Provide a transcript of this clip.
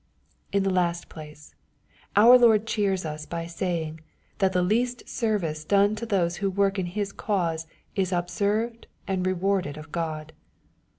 In the last place, our Lord cheers us by saying thdb the least service done to those who work in His cwase is observed and rewarded of Ood.